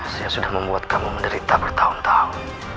sehingga sudah membuat kamu menderita bertahun tahun